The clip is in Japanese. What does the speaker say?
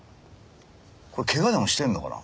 これ怪我でもしてるのかな？